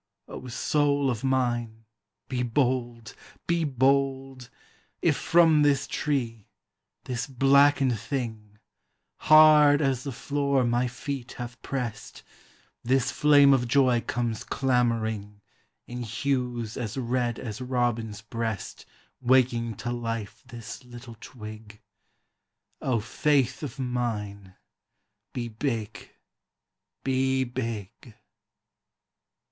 O soul of mine, be bold, be bold! If from this tree, this blackened thing, Hard as the floor my feet have prest, This flame of joy comes clamoring In hues as red as robin's breast Waking to life this little twig — O faith of mine, be big ! be big